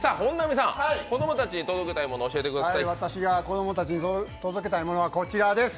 私が子ども達に届けたいものは、こちらです。